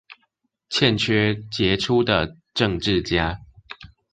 欠缺傑出的政治家